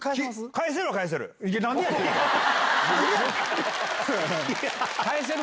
返せるは返せる。